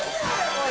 これ。